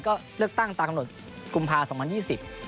ก็เลือกตั้งตากำหนดกุมภาพันธ์๒๐๒๐